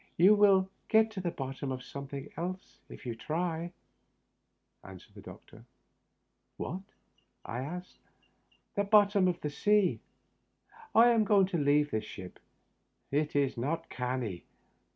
" You wiU get to the bottom of something else if you try," answered the doctor. "What?" I asked. " The bottom of the sea. I am going to leave this ship. It is not canny."